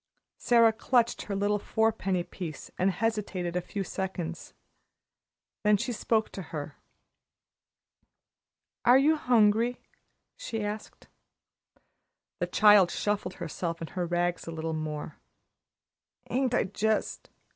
Sara clutched her little four penny piece, and hesitated a few seconds. Then she spoke to her. "Are you hungry?" she asked. The child shuffled herself and her rags a little more. "Ain't I jist!"